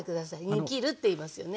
煮きるっていいますよね。